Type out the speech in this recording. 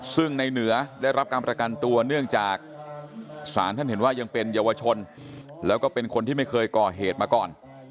ซึ่งในเหนือได้รับการประกันตัวเนื่องจากศาลท่านเห็นว่ายังเป็นเยาวชนแล้วก็เป็นคนที่ไม่เคยก่อเหตุมาก่อน